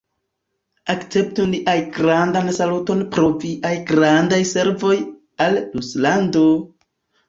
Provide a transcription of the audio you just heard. Akceptu nian grandan saluton pro viaj grandaj servoj al Ruslando!